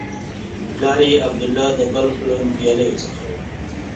پلار یې عبدالله د بلخ له نومیالیو څخه و.